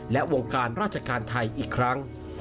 และวงการราชการไทยอีกครั้ง